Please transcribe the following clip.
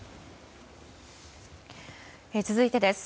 続いてです。